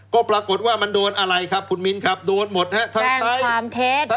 ก็ปรากฏว่ามันโดนอะไรครับคุณมินครับโดนหมดครับ